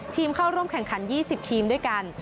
ทีมเข้าร่วมแข่งขัน๒๐ทีมด้วยกัน